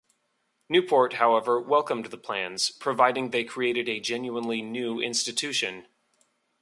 Newport however, welcomed the plans, providing they created a genuinely new institution.